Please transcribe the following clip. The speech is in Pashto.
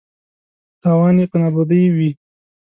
تاوان یې په نابودۍ وي.